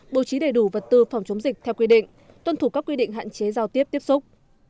bố trí đầy đủ vật tư phòng chống dịch theo quy định tuân thủ các quy định hạn chế giao tiếp tiếp xúc